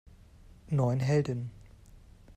Neun Heldinnen